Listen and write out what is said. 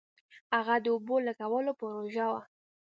هلته د اوبو لگولو پروژه وه.